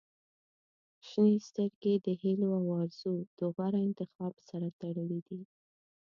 • شنې سترګې د هیلو او آرزووو د غوره انتخاب سره تړلې دي.